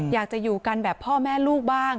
อยากจะอยู่กันแบบพ่อแม่ลูกบ้าง